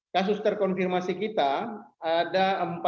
kasus terkonfirmasi kita ada empat puluh dua satu ratus dua puluh delapan